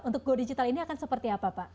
untuk go digital ini akan seperti apa pak